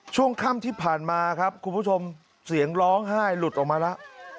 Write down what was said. ช่วงค่ำที่ผ่านมาครับคุณผู้ชมเสียงร้องไห้หลุดออกมาแล้ว